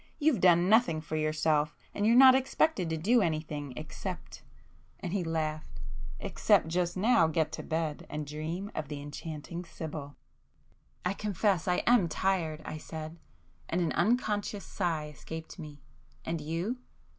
You've done nothing for yourself and you're not expected to do anything—except," and he laughed—"except just now to get to bed, and dream of the enchanting Sibyl!" "I confess I am tired,"—I said, and an unconscious sigh escaped me—"And you?"